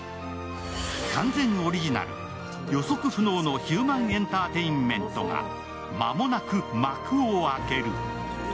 完全オリジナル、予測不能のヒューマンエンターテインメントが間もなく幕を開ける。